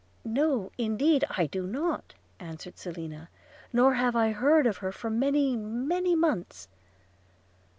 'No indeed, I do not,' answered Selina – 'nor have I heard of her for many, many months.'